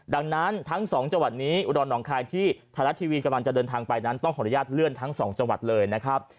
ดังนั้นทั้งสองจังหวัดนี้อุดรหนองคายที่ไทยรัฐทีวีกำลังจะเดินทางไปนั้นต้องขออนุญาตเลื่อนทั้งสองจังหวัดเลยนะครับ